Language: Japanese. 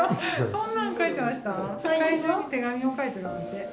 そんなん書いてました？